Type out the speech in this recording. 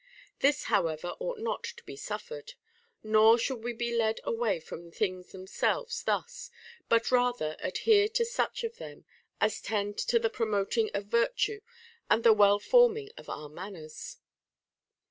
This, however, ought not to be suffered ; nor should we be led away from things them selves thus, but rather adhere to such of them as tend to the promoting of virtue and the well forming of our man ners.